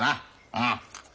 うん！